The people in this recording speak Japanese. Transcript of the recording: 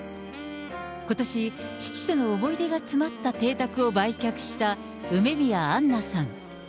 ことし、父との思い出が詰まった邸宅を売却した梅宮アンナさん。